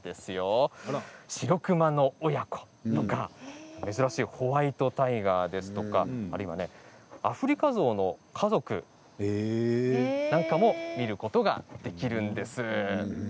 シロクマの親子珍しいホワイトタイガーあるいはアフリカゾウの家族なんかも見ることができるんです。